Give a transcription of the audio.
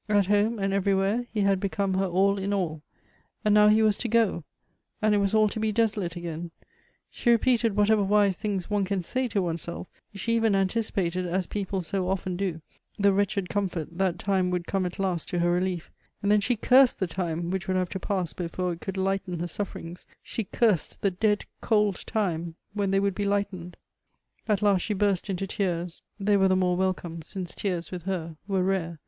At home, and everywhere, he had become her all in all. And now he was to go ; and it was all to be desolate again She repeated whatever wise things one can say to onesself ; she even anticipated, as people so often do, the wretched comfort, that time would come at last to her relief; and tlien she cursed the time which would have to pass before it could lighten her sufferings — she cui sed the dead, cold time when they would be lightened. At last she burst into tears ; they were the more welcome, since tears with her were rare.